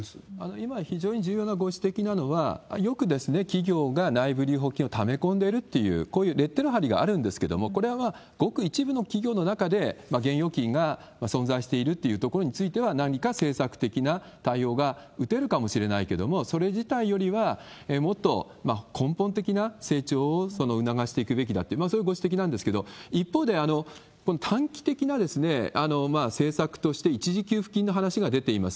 今、非常に重要なご指摘なのは、よく、企業が内部留保金をため込んでるっていう、こういうレッテル貼りがあるんですけれども、これはごく一部の企業の中で現預金が存在しているっていうところについては、何か政策的な対応が打てるかもしれないけれども、それ自体よりはもっと根本的な成長を促していくべきだと、そういうご指摘なんですけれども、一方で、この短期的な政策として一時給付金の話が出ています。